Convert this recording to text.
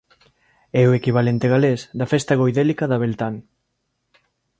É o equivalente galés da festa goidélica da Beltane.